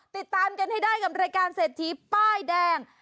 ติดตามกันให้ได้กับรายการเศรษฐีป้ายแดง